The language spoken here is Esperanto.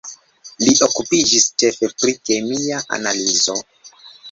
Li okupiĝis ĉefe pri kemia analizo.